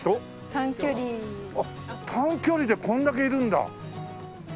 短距離でこれだけいるんだ。